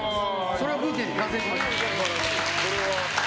それをブーケに完成しました。